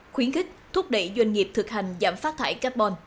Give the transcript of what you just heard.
khuyến khích thúc đẩy doanh nghiệp thực hành giảm phát thải carbon